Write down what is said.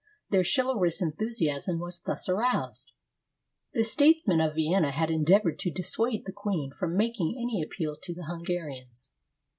Their chivalrous enthusiasm was thus aroused. The statesmen of Vienna had endeavored to dissuade the queen from making any appeal to the Hungarians.